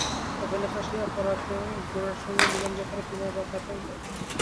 অবিনাশ আসিয়া পড়াতে গোরার সঙ্গে মিলন-ব্যাপারে বিনয় বাধা পাইল।